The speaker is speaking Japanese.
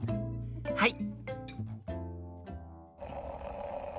はい！